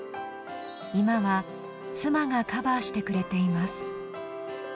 今は妻がカバーしてくれています。